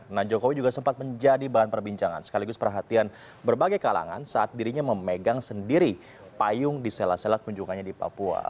nah jokowi juga sempat menjadi bahan perbincangan sekaligus perhatian berbagai kalangan saat dirinya memegang sendiri payung di sela sela kunjungannya di papua